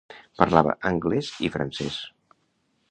Parlava anglès i francès.